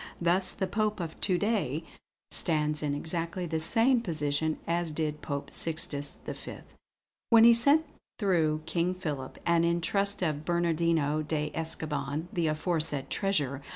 Thus, the Pope of to day stands in exactly the same position as did Pope Sixtus V, when he sent through King Philip, and in trust of Bernardino de Escoban the aforesaid treasure."